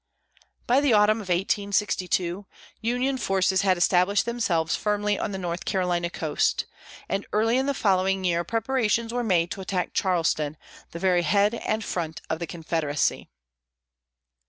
By the autumn of 1862, the Union forces had established themselves firmly on the North Carolina coast, and early in the following year preparations were made to attack Charleston, the very head and front of the Confederacy.